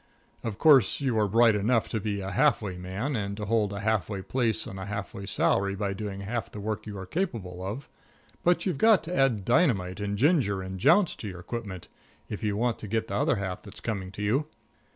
Of course, you are bright enough to be a half way man, and to hold a half way place on a half way salary by doing half the work you are capable of, but you've got to add dynamite and ginger and jounce to your equipment if you want to get the other half that's coming to you.